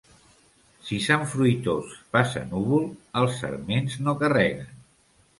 Si Sant Fruitós passa núvol els sarments no carreguen.